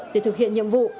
để thực hiện nhiệm vụ